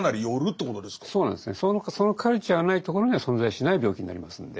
そのカルチャーがないところには存在しない病気になりますので。